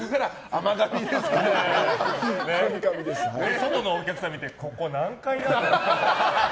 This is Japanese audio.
外のお客さん見てここ何階？って。